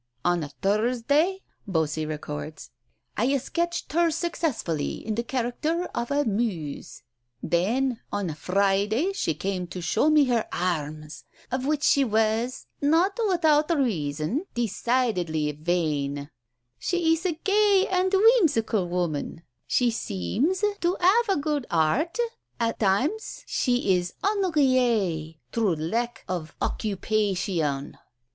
"On Thursday," Bossi records, "I sketched her successfully in the character of a Muse; then on Friday she came to show me her arms, of which she was, not without reason, decidedly vain she is a gay and whimsical woman, she seems to have a good heart; at times she is ennuyée through lack of occupation."